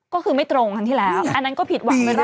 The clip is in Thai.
ก็คือไม่ตรงครั้งที่แล้วอันนั้นก็ผิดหวัง